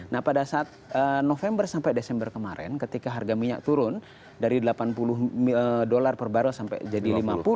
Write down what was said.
nah pada saat november sampai desember kemarin ketika harga minyak turun dari delapan puluh dolar per barrel sampai jadi lima puluh